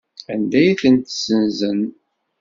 Anda ay ten-ssenzen?